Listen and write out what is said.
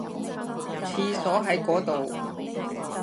廁所喺嗰度